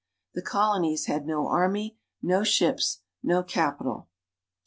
The Colonies had no army, no ships, no capital.